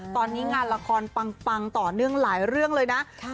ตอนนี้งานละครปังต่อเนื่องหลายเรื่องเลยนะ